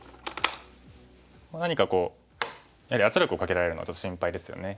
何かこうやはり圧力をかけられるのはちょっと心配ですよね。